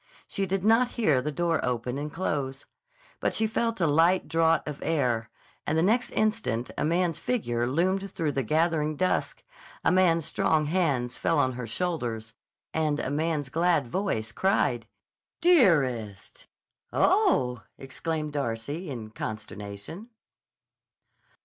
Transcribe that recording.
She did not hear the door open and close. But she felt a light draught of air, and the next instant a man's figure loomed through the gathering dusk, a man's strong hands fell on her shoulders, and a man's glad voice cried: "Dearest!" "Oh!" exclaimed Darcy in consternation.